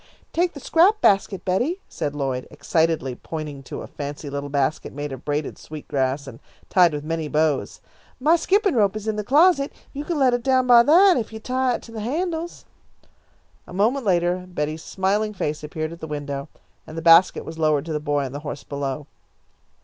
"Take the scrap basket, Betty," said Lloyd, excitedly pointing to a fancy little basket made of braided sweet grass, and tied with many bows. "My skipping rope is in the closet. You can let it down by that if you tie it to the handles." A moment later Betty's smiling face appeared at the window, and the basket was lowered to the boy on the horse below.